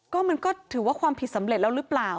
ก็มันก็ถือว่าความผิดสำเร็จแล้วหรือเปล่า